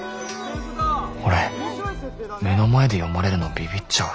俺目の前で読まれるのビビっちゃう。